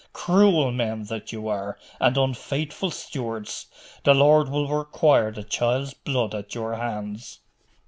Cruel men that you are, and unfaithful stewards. The Lord will require the child's blood at your hands!